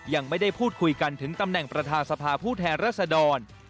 ยังไม่ได้พูดคุยกันถึงตำแหน่งประธานสภาผู้แทนรัศดร